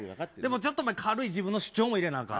ちょっと軽い自分の主張も入れなあかん。